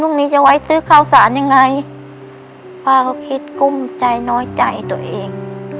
นี้จะไว้ซื้อข้าวสารยังไงป้าก็คิดกุ้มใจน้อยใจตัวเอง